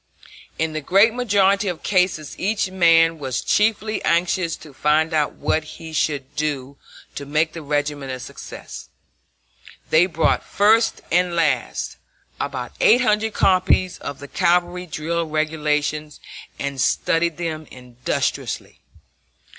In the great majority of cases each man was chiefly anxious to find out what he should do to make the regiment a success. They bought, first and last, about 800 copies of the cavalry drill regulations and studied them industriously.